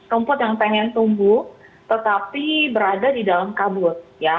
rumput yang pengen tumbuh tetapi berada di dalam kabut